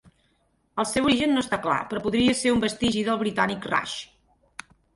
El seu origen no està clar, però podria ser un vestigi del britànic Raj.